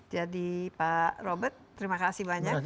jadi pak robert terima kasih banyak